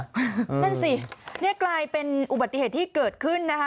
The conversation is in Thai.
นั่นสินี่กลายเป็นอุบัติเหตุที่เกิดขึ้นนะคะ